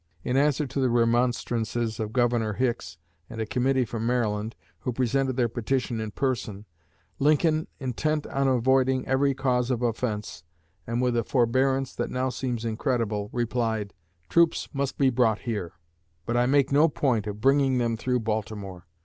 In answer to the remonstrances of Governor Hicks and a committee from Maryland, who presented their petition in person, Lincoln, intent on avoiding every cause of offense, and with a forbearance that now seems incredible, replied: "Troops must be brought here; but I make no point of bringing them through Baltimore.